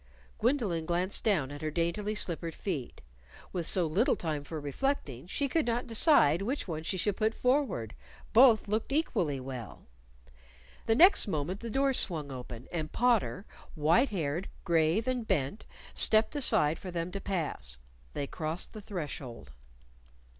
Gwendolyn glanced down at her daintily slippered feet. With so little time for reflecting, she could not decide which one she should put forward. Both looked equally well. The next moment the doors swung open, and Potter, white haired, grave and bent, stepped aside for them to pass. They crossed the threshold.